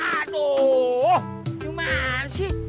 aduh cuman sih